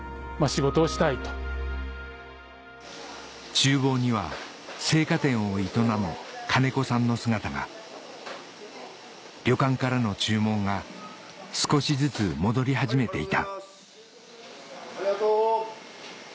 厨房には青果店を営む金子さんの姿が旅館からの注文が少しずつ戻り始めていたありがとう！